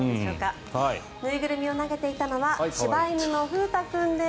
縫いぐるみを投げていたのは柴犬のふうた君です